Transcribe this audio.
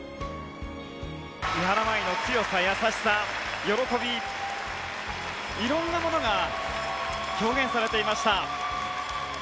三原舞依の強さ優しさ、喜びいろんなものが表現されていました。